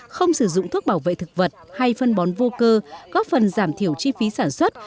không sử dụng thuốc bảo vệ thực vật hay phân bón vô cơ góp phần giảm thiểu chi phí sản xuất